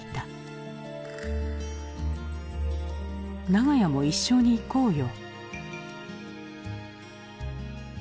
「長屋も一緒に行こうよ」。